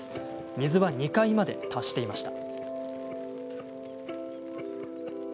水は２階まで達していました。